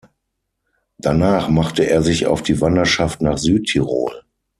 Danach machte er sich auf die Wanderschaft nach Südtirol.